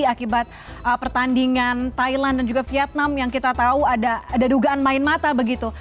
akibat pertandingan thailand dan juga vietnam yang kita tahu ada dugaan main mata begitu